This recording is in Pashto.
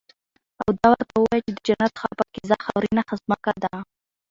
او دا ورته ووايه چې د جنت ښه پاکيزه خاورينه زمکه ده